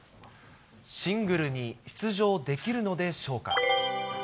シングルに出場できるのでしょうか。